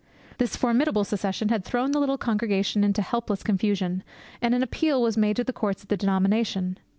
This formidable secession had thrown the little congregation into helpless confusion, and an appeal was made to the courts of the denomination.